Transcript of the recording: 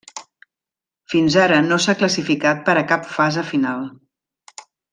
Fins ara no s'ha classificat per a cap fase final.